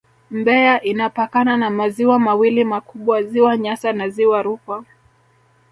Mbeya inapakana na maziwa mawili makubwa Ziwa Nyasa na Ziwa Rukwa